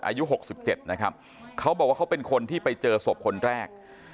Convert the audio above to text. อายุ๖๗นะครับเขาบอกว่าเขาเป็นคนที่ไปเจอศพคนแรก